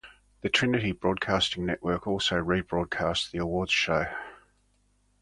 The Trinity Broadcasting Network also rebroadcast the awards show.